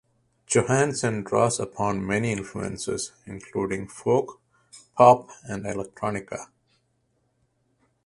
Johansen draws upon many influences, including folk, pop, and electronica.